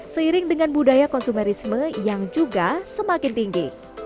seiring dengan budaya konsumerisme yang juga semakin tinggi